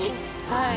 はい。